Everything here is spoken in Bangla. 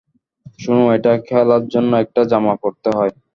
শুনো, এটা খেলার জন্য একটা জামা পড়তে হয়।